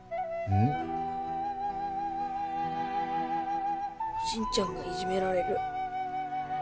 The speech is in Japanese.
おしんちゃんがいじめられる。